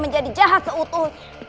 menjadi jahat seutuhnya